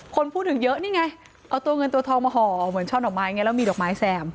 คนพูดถึงเยอะนี่ไงเอาตัวเงินตัวทองมาห่อเหมือนช่อดอกไม้อย่างนี้แล้วมีดอกไม้แซม